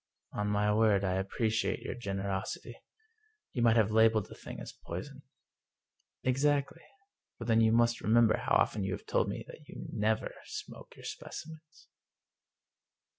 " On my word, I appreciate your generosity. You might have labeled the thing as poison." " Exactly. But then you must remember how often you have told me that you never smoke your specimens."